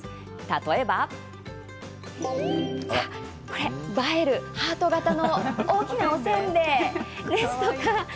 例えば映えるハート形の大きなおせんべい。